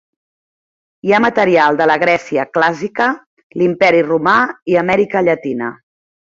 Hi ha material de la Grècia clàssica, l'Imperi Romà i Amèrica Llatina.